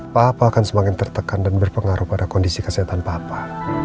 papa akan semakin tertekan dan berpengaruh pada kondisi kesehatan papa